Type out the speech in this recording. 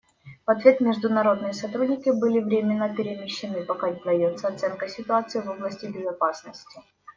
В ответ международные сотрудники были временно перемещены, пока дается оценка ситуации в области безопасности.